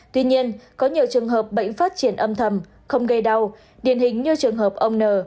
tuy nhiên có nhiều trường hợp bệnh phát triển âm thầm không gây đau điển hình như trường hợp ông n